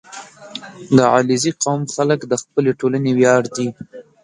• د علیزي قوم خلک د خپلې ټولنې ویاړ دي.